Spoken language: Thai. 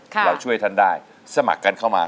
เราช่วยท่านได้สมัครกันเข้ามา